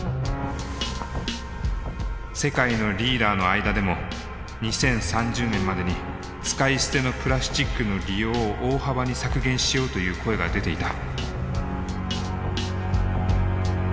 世界のリーダーの間でも２０３０年までに使い捨てのプラスチックの利用を大幅に削減しようという声が出ていた。